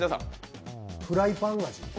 フライパン味。